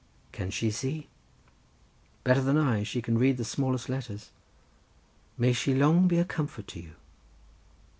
"Can she see?" "Better than I—she can read the smallest letters." "May she long be a comfort to you!"